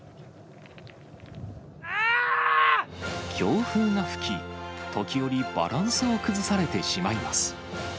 強風が吹き、時折、バランスを崩されてしまいます。